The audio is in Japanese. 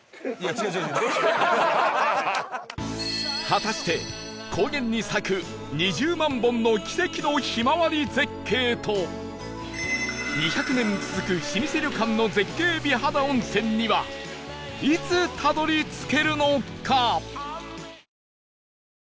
果たして高原に咲く２０万本の奇跡のひまわり絶景と２００年続く老舗旅館の絶景美肌温泉にはいつたどり着けるのか？